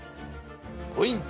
ポイント